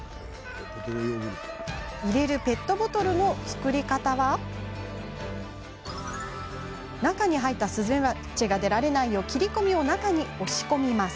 入れるペットボトルの作り方は中に入ったスズメバチが出られないよう切り込みを中に押し込みます。